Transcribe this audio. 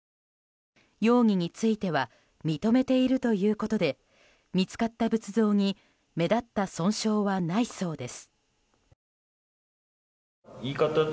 容疑については認めているということで見つかった仏像に目立った損傷はないそうです。